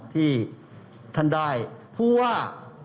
ที่ท่านได้ผู้ว่า